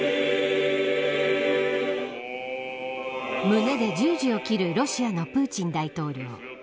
胸で十字を切るロシアのプーチン大統領。